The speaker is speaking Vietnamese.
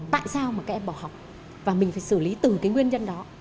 tại sao mà các em bỏ học và mình phải xử lý từ cái nguyên nhân đó